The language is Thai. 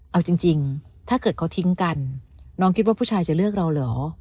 เอาจริงถ้าเกิดเขาทิ้งกันน้องคิดว่าผู้ชายจะเลือกเราเหรอ